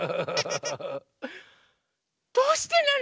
どうしてなの？